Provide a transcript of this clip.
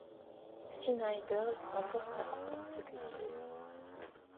Sinaai Girls remporte sa Coupe consécutive.